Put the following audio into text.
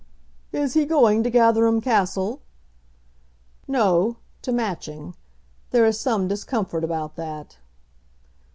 "Is he going to Gatherum Castle?" "No; to Matching. There is some discomfort about that."